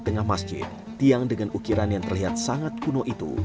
di tengah masjid tiang dengan ukiran yang terlihat sangat kuno itu